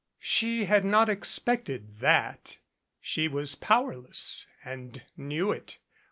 She had not expected that. She was powerless and knew it.